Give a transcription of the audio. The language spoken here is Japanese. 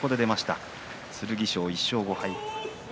剣翔、１勝５敗です。